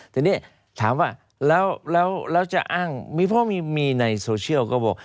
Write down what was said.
ทีนี้ถามว่าแล้วจะอ้างมีเพราะมีในโซเชียลก็บอก